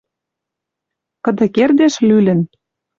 Кыды кердеш лӱлӹн...»